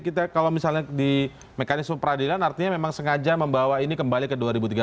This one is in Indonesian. kita kalau misalnya di mekanisme peradilan artinya memang sengaja membawa ini kembali ke dua ribu tiga belas